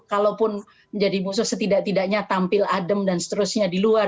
kalaupun menjadi musuh setidak tidaknya tampil adem dan seterusnya di luar